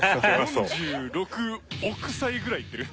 ４６億歳ぐらいいってる。